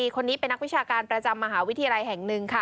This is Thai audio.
คนนี้เป็นนักวิชาการประจำมหาวิทยาลัยแห่งหนึ่งค่ะ